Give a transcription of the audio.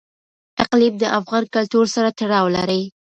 اقلیم د افغان کلتور سره تړاو لري.